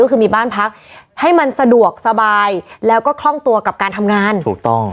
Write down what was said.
ก็คือมีบ้านพักให้มันสะดวกสบายแล้วก็คล่องตัวกับการทำงานถูกต้อง